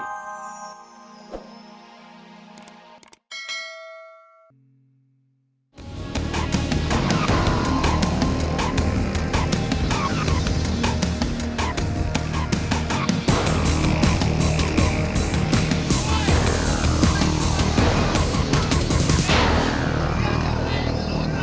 sampai jumpa lagi